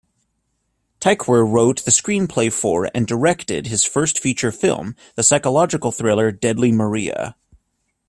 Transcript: Tykwer wrote the screenplay for-and directed-his first feature film, the psychological thriller Deadly Maria.